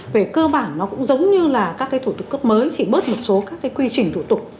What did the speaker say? về cơ bản nó cũng giống như là các cái thủ tục cấp mới chỉ bớt một số các cái quy trình thủ tục